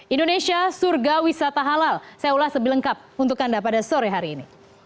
indonesia surga wisata halal saya ulas lebih lengkap untuk anda pada sore hari ini